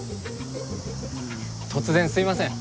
突然すいません。